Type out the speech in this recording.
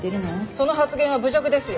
その発言は侮辱ですよ。